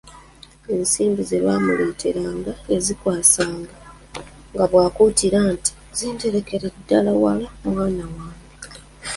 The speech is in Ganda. Ensimbi ze baamuleeteranga yazinkwasanga nga bw'ankuutira nti, "ziterekere ddala wala mwana wange."